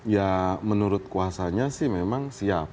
ya menurut kuasanya sih memang siap